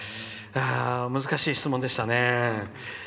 難しい質問でしたね。